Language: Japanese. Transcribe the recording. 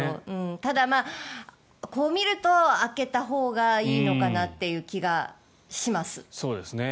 ただ、こう見ると開けたほうがいいのかなっていう気がします。